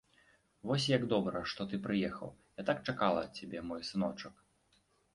Вось як добра, што ты прыехаў, я так чакала цябе, мой сыночак.